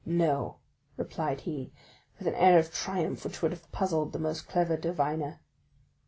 "No," replied he with an air of triumph which would have puzzled the most clever diviner.